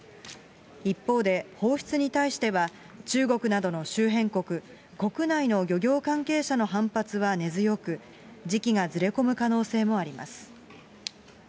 一方で、放出に対しては、中国などの周辺国、国内の漁業関係者の反発は根強く、時期がずれ込む可能性もあります。